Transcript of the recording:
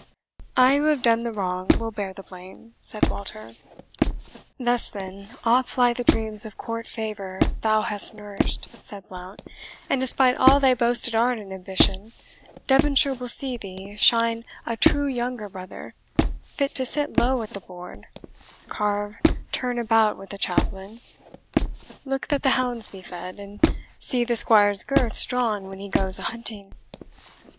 "I, who have done the wrong, will bear the blame," said Walter. "Thus, then, off fly the dreams of court favour thou hast nourished," said Blount, "and despite all thy boasted art and ambition, Devonshire will see thee shine a true younger brother, fit to sit low at the board, carve turn about with the chaplain, look that the hounds be fed, and see the squire's girths drawn when he goes a hunting."